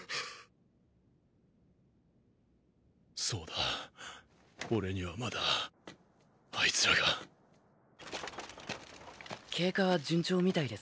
そうだ俺にはまだあいつらが。経過は順調みたいですね。